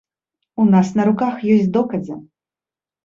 У нас на руках ёсць доказы.